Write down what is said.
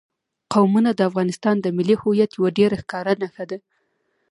قومونه د افغانستان د ملي هویت یوه ډېره ښکاره نښه ده.